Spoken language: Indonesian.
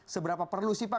seberapa perlu sih pak